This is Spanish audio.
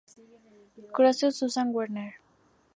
Croce o Susan Werner.